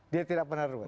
dia tidak pernah ruwet